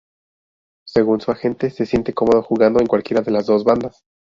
Según su agente, se siente cómodo jugando en cualquiera de las dos bandas.